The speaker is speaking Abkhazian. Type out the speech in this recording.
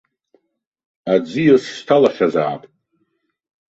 Аӡиас сҭалахьазаап.